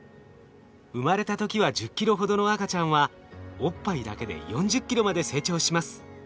生まれた時は１０ｋｇほどの赤ちゃんはおっぱいだけで４０ｋｇまで成長します。